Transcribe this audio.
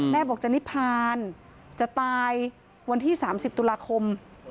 บอกจะนิพานจะตายวันที่๓๐ตุลาคม